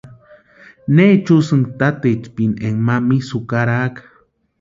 ¿Neecha úsïnki tatetspeni enka ma misa jukaraka?